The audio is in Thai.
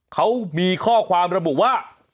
เขามีข้อความระบุว่า